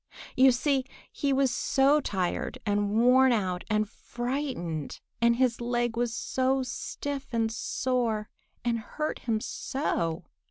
You see he was so tired and worn out and frightened, and his leg was so stiff and sore and hurt him so!